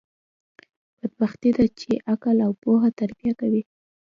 بدبختي ده، چي عقل او پوهه تربیه کوي.